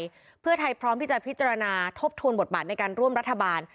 ไทยเพื่อไทยพร้อมที่จะพิจารณาทบทวนบทบาทในการร่วมรัฐบาล